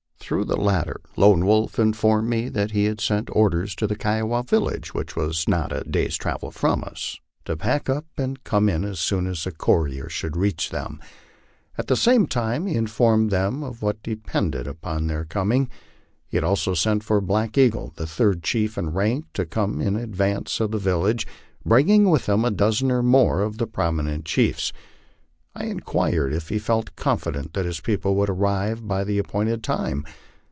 Through the latter Lone Wolf informed me that he had sent orders to the Kiowa village, which was not a day's travel from us, to pack up and 208 LIFE OX THE PLAINS. come in as soon as the courier should reach them. At the same time li& in formed them of what depended upon their coming. He had also sent for Black Eagle, the third chief in rank, to come in advance of the village, bring ing with him a dozen or more of the prominent chiefs. I inquired if he felt confident that his people would arrive by the appointed time?